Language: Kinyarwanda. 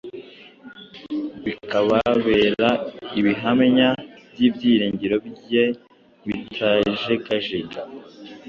bikababera ibihamya by’ibyiringiro bye bitajegajega,